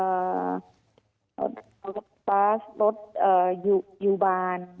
รถบัสรถยูบาน